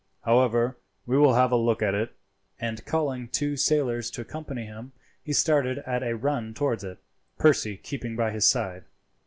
"However, we will have a look at it." And calling two sailors to accompany him, he started at a run towards it, Percy keeping by his side.